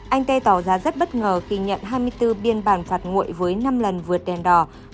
anh tê tỏ ra rất bất ngờ khi nhận hai mươi bốn biên bản phạt nguội với năm lần vượt đèn đỏ